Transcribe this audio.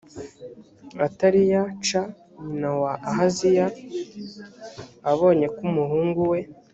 ataliya c nyina wa ahaziya abonye ko umuhungu we